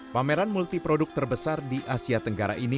pameran multiproduk terbesar di asia tenggara ini